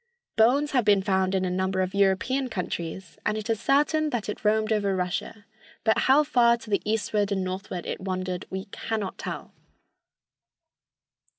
Bones have been found in a number of European countries, and it is certain that it roamed over Russia, but how far to the eastward and northward it wandered we cannot tell.